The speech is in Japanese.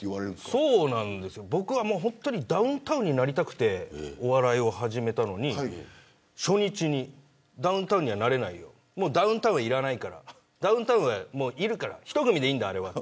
そうなんですよ、僕は本当にダウンタウンになりたくてお笑いを始めたのに、初日にダウンタウンにはなれないよダウンタウンはいらないからダウンタウンは、もういるから１組でいいんだあれはって。